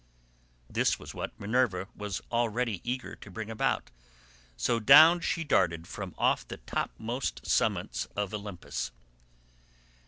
This was what Minerva was already eager to bring about, so down she darted from off the topmost summits of Olympus.